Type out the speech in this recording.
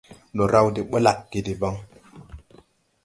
Ndɔ raw de ɓlagge debaŋ.